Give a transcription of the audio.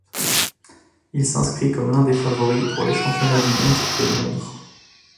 Il s'inscrit comme l'un des favoris pour les Championnats du monde de Londres.